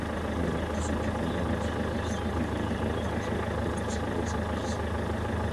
Mais la poursuite du combat nationaliste oblige le gouvernement français à reconsidérer sa position.